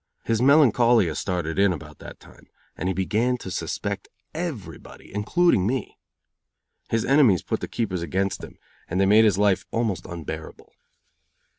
His melancholia started in about that time, and he began to suspect everybody, including me. His enemies put the keepers against him and they made his life almost unbearable.